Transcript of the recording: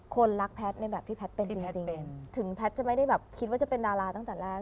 คนรักแพทย์ในแบบที่แพทย์เป็นจริงถึงแพทย์จะไม่ได้แบบคิดว่าจะเป็นดาราตั้งแต่แรก